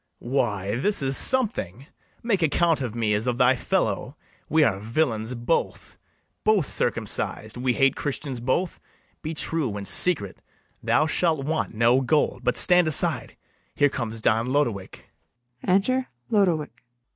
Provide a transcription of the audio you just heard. Why, this is something: make account of me As of thy fellow; we are villains both; Both circumcised; we hate Christians both: Be true and secret; thou shalt want no gold. But stand aside; here comes Don Lodowick. Enter LODOWICK. LODOWICK.